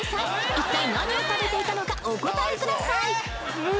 一体何を食べていたのかお答えくださいええ？